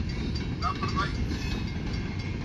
جب سے دنیا بنی ہے۔